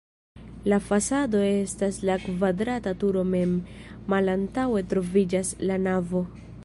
La fasado estas la kvadrata turo mem, malantaŭe troviĝas la navo.